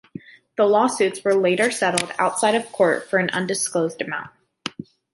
The lawsuits were later settled outside of court for an undisclosed amount.